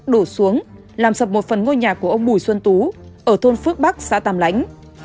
đổ xuống làm sập một phần ngôi nhà của ông bùi xuân tú ở thôn phước bắc xã tàm lãnh